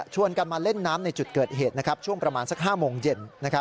กันมาเล่นน้ำในจุดเกิดเหตุช่วงประมาณสัก๕โมงเย็น